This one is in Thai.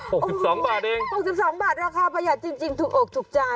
หกสิบสองบาทเองหกสิบสองบาทราคาประหยัดจริงจริงถูกอกถูกใจ